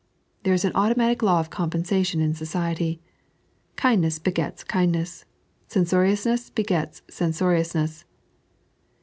There is an automatic law of compenfiatioa in society. Kindness begets kindness, censoriousness begets oeusorioasneBS.